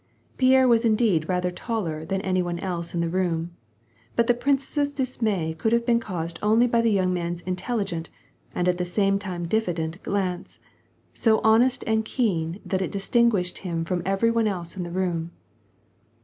Pierre was indeed rather taller than any one else in the room, but the princess's dismay could have been caused only by the young man's intelligent, and at the same time diffident glance, so honest and keen that it distinguished him from every one else in the room.